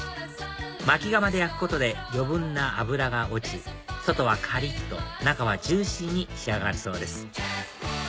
薪窯で焼くことで余分な脂が落ち外はカリっと中はジューシーに仕上がるそうです